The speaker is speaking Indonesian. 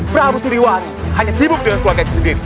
prabu sriwani hanya sibuk dengan keluarga sendiri